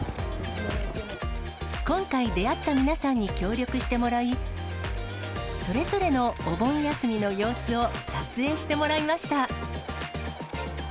今回出会った皆さんに協力してもらい、それぞれのお盆休みの様子を撮影してもらいました。